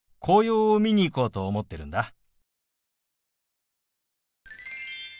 紅葉を見に行こうと思ってるんだ。